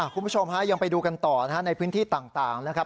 คุณผู้ชมฮะยังไปดูกันต่อนะฮะในพื้นที่ต่างนะครับ